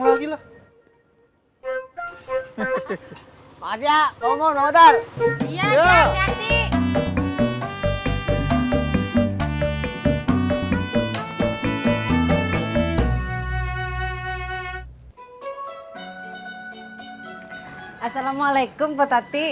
assalamualaikum bu tati